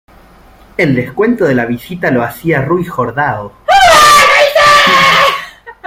El descuento de la visita lo hizo Rui Jordão.